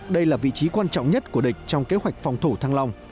đây là vị trí quan trọng nhất của địch trong kế hoạch phòng thủ thăng long